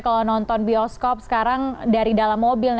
kalau nonton bioskop sekarang dari dalam mobil